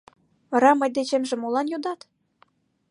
— Вара мый дечемже молан йодат?